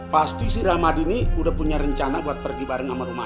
pasti si ramadini udah punya rencana buat pergi bareng sama rumah